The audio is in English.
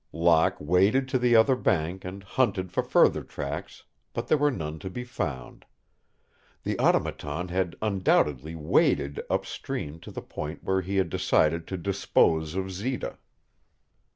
Locke waded to the other bank and hunted for further tracks, but there were none to be found. The Automaton had undoubtedly waded up stream to the point where he had decided to dispose of Zita.